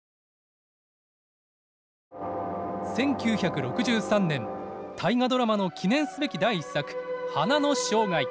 １９６３年「大河ドラマ」の記念すべき第１作「花の生涯」。